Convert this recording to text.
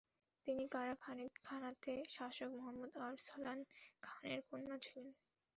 তিনি কারা-খানিদ খানাতের শাসক মুহাম্মদ আরসলান খানের কন্যা ছিলেন।